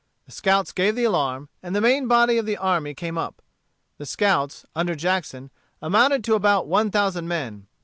The scouts gave the alarm, and the main body of the army came up. The troops under Jackson amounted to about one thousand men.